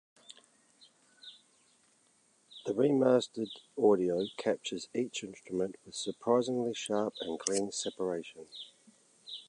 The remastered audio captures each instrument with surprisingly sharp and clean separation.